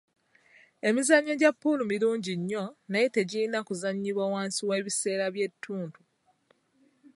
Emizannyo gya puulu mirungi nnyo naye tegirina kuzannyibwa wansi w'ebiseera by'ettuntu.